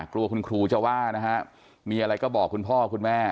กลัวคุณครูจะว่านะฮะมีอะไรก็บอกคุณพ่อคุณแม่